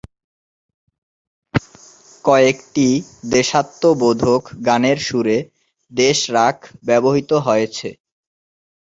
কয়েকটি দেশাত্মবোধক গানের সুরে দেশ রাগ ব্যবহৃত হয়েছে।